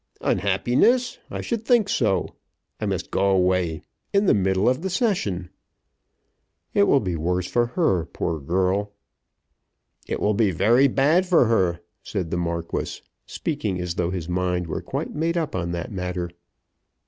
"Unhappiness! I should think so. I must go away, in the middle of the Session." "It will be worse for her, poor girl." "It will be very bad for her," said the Marquis, speaking as though his mind were quite made up on that matter.